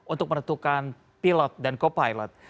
untuk menentukan pilot dan co pilot